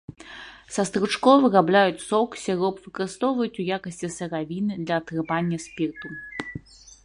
Са стручкоў вырабляюць сок, сіроп, выкарыстоўваюць у якасці сыравіны для атрымання спірту.